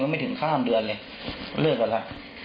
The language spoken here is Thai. มันไม่ถึงบ้านเดือนเลยคือที่บ้านล่ะ